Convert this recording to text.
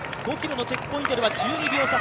５ｋｍのチェックポイントでは１２秒差